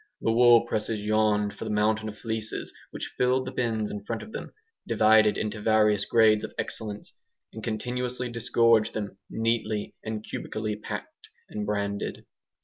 The wool presses yawned for the mountain of fleeces which filled the bins in front of them, divided into various grades of excellence, and continuously disgorged them, neatly and cubically packed and branded.